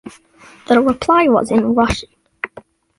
The reply was in Russian.